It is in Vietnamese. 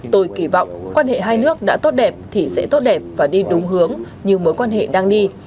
tôi kỳ vọng quan hệ hai nước đã tốt đẹp thì sẽ tốt đẹp và đi đúng hướng như mối quan hệ đang đi